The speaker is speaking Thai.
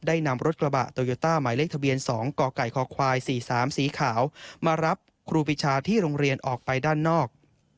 นำรถกระบะโตโยต้าหมายเลขทะเบียน๒กกคควาย๔๓สีขาวมารับครูปีชาที่โรงเรียนออกไปด้านนอก